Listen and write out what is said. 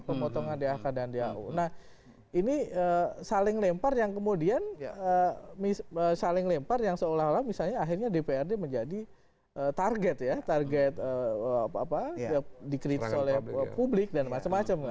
pemotongan dak dan dau nah ini saling lempar yang kemudian saling lempar yang seolah olah misalnya akhirnya dprd menjadi target ya target apa dikritik oleh publik dan macam macam